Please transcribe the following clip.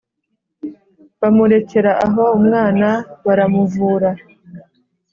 Bamurekera aho, umwana baramuvura,